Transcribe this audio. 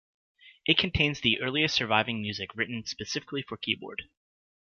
It contains the earliest surviving music written specifically for keyboard.